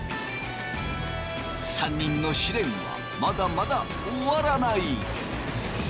３人の試練はまだまだ終わらない。